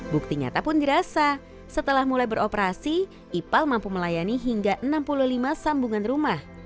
bukti nyata pun dirasa setelah mulai beroperasi ipal mampu melayani hingga enam puluh lima sambungan rumah